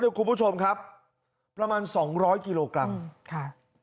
คุณผู้ชมครับประมาณสองร้อยกิโลกรัมค่ะ